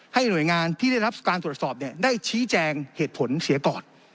หน่วยงานที่ได้รับการตรวจสอบได้ชี้แจงเหตุผลเสียก่อน